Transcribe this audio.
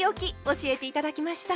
教えて頂きました。